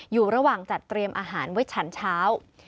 อยู่ระหว่างจัดเตรียมอาหารไว้ฉันเช้า